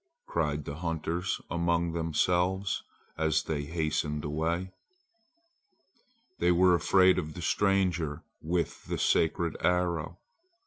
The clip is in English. cried the hunters among themselves as they hastened away. They were afraid of the stranger with the sacred arrow.